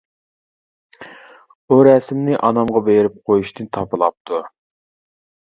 ئۇ رەسىمنى ئانامغا بېرىپ قويۇشنى تاپىلاپتۇ.